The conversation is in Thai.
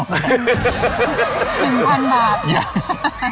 อย่างอันบาป